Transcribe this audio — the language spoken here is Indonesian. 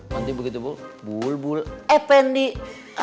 nanti begitu bul bul bul eh pendek